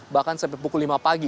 bahkan sampai pukul lima pagi